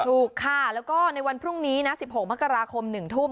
ถูกค่ะแล้วก็ในวันพรุ่งนี้นะ๑๖มกราคม๑ทุ่ม